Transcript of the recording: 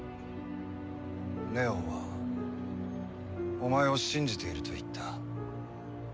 祢音はお前を信じていると言った。